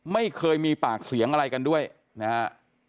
ไม่เคยมีปากเสียงอะไรกันด้วยนะฮะ